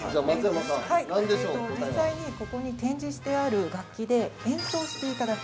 ◆実際に、ここに展示してある楽器で演奏していただく。